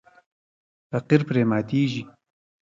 فقیر پرې ماتیږي.